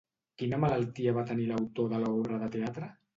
Quina malaltia va tenir l'autor de l'obra de teatre?